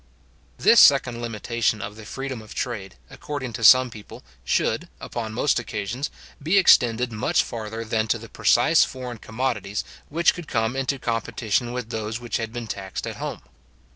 This second limitation of the freedom of trade, according to some people, should, upon most occasions, be extended much farther than to the precise foreign commodities which could come into competition with those which had been taxed at home.